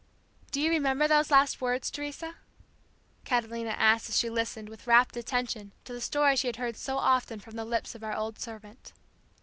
"Do you remember those last words, Teresa?" Catalina asked as she listened with rapt attention to the story she had heard so often from the lips of our old servant.